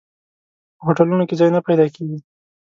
په هوټلونو کې ځای نه پیدا کېږي.